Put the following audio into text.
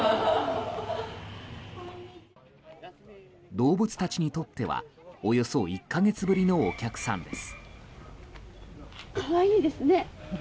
動物たちにとってはおよそ１か月ぶりのお客さんです。